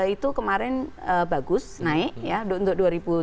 itu kemarin bagus naik ya untuk dua ribu tujuh belas